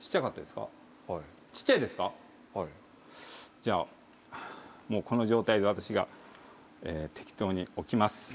じゃあこの状態で私が適当に置きます。